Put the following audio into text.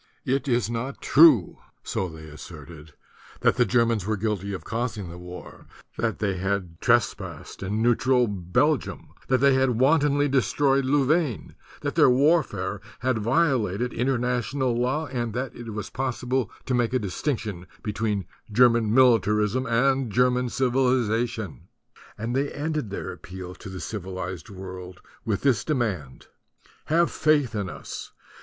"It is not true," so they asserted, that the Germans were guilty of causing the war, that they had trespassed in neutral Belgium, that they had wantonly destroyed Louvain, that their warfare had violated international law, and that it was possible to make a distinction be tween German militarism and German civiliza tion. And they ended their appeal to the civi lized world with this demand: "Have faith in us